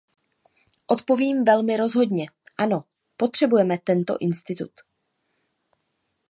Odpovím velmi rozhodně, ano, potřebujeme tento institut.